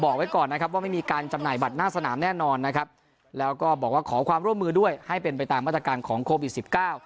บอกไว้ก่อนนะครับว่าไม่มีการจำหน่ายบัตรหน้าสนามแน่นอนนะครับแล้วก็บอกว่าขอความร่วมมือด้วยให้เป็นไปตามมาตรการของโควิดสิบเก้า